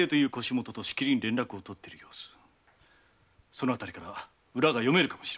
そのあたりから裏が読めるかもしれません。